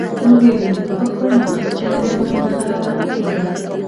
نو ویې ویل: په خپل ناقص علم دومره مه غره کېږه.